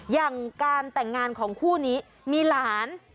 อย่างการแต่งงานของคู่นี้มีหลาน